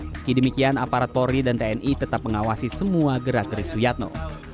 meski demikian aparat polri dan tni tetap mengawasi semua gerak keri suyatno